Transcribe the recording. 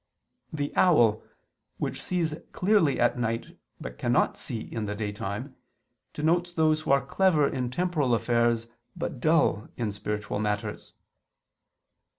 The owl, which sees clearly at night, but cannot see in the daytime, denotes those who are clever in temporal affairs, but dull in spiritual matters.